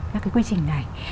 cái quy trình này